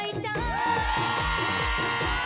โจ๊กโจ๊กโจ๊กกันหน่อย